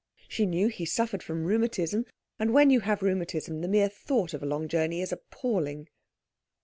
She knew he suffered from rheumatism; and when you have rheumatism the mere thought of a long journey is appalling.